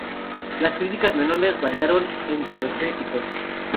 Las críticas menores variaron entre los críticos.